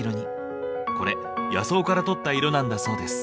これ野草からとった色なんだそうです。